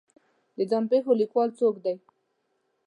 د ځان پېښو لیکوال څوک دی